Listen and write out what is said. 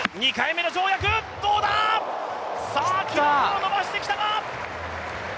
さあ、記録を伸ばしてきたか！？